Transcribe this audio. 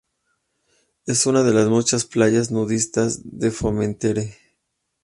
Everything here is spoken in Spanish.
Es una de las muchas playas nudistas de Formentera.